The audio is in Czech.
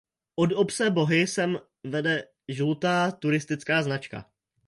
Od obce Bohy sem vede žlutá turistická značka.